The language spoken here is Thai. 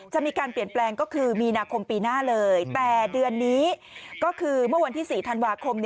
จะมีการเปลี่ยนแปลงก็คือมีนาคมปีหน้าเลยแต่เดือนนี้ก็คือเมื่อวันที่๔ธันวาคม